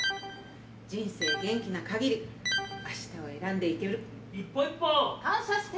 人生元気な限り明日を選んでいける。感謝して！